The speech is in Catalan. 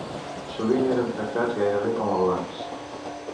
Sovint eren tractats gairebé com a blancs.